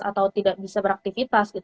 atau tidak bisa beraktifitas